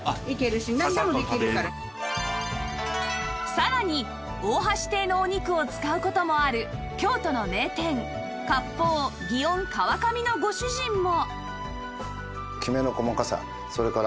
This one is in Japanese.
さらに大橋亭のお肉を使う事もある京都の名店割烹園川上のご主人も